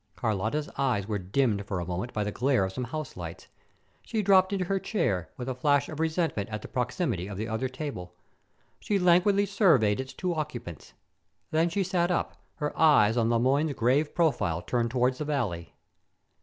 Carlotta's eyes were blinded for a moment by the glare of the house lights. She dropped into her chair, with a flash of resentment at the proximity of the other table. She languidly surveyed its two occupants. Then she sat up, her eyes on Le Moyne's grave profile turned toward the valley.